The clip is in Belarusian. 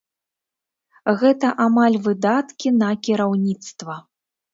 Гэта амаль выдаткі на кіраўніцтва!